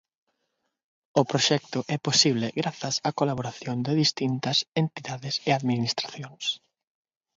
O proxecto é posible grazas á colaboración de distintas entidades e administracións.